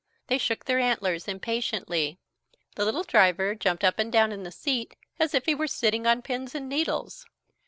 They shook their antlers impatiently. The little driver jumped up and down in the seat as if he were sitting on pins and needles.